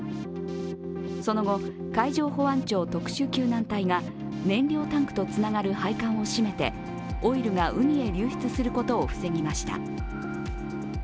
その後、海上保安庁特殊救難隊が燃料タンクとつながる配管を閉めて、オイルが海へ流出することを防ぎました。